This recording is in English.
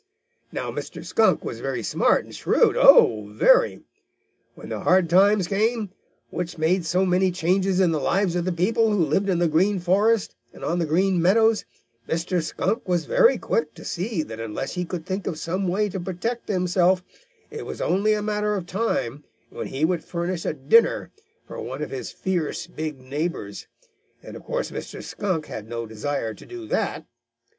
"Now Mr. Skunk was very smart and shrewd, oh, very! When the hard times came, which made so many changes in the lives of the people who lived in the Green Forest and on the Green Meadows, Mr. Skunk was very quick to see that unless he could think of some way to protect himself, it was only a matter of time when he would furnish a dinner for one of his fierce big neighbors, and of course Mr. Skunk had no desire to do that.